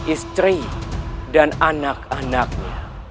istri dan anak anaknya